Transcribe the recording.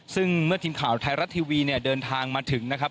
ซึ่งเมื่อทีมข่าวไทยรัฐทีวีเนี่ยเดินทางมาถึงนะครับ